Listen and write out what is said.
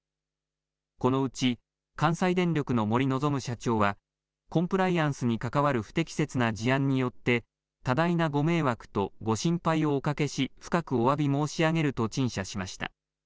このうち、関西電力の森望社長はコンプライアンスに関わる不適切な事案によって多大なご迷惑とご心配をおかけし深くおわび申し上げると陳謝しました。